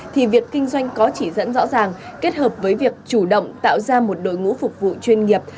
thì việc kinh doanh có chỉ dẫn rõ ràng kết hợp với việc chủ động tạo ra một đội ngũ phục vụ chuyên nghiệp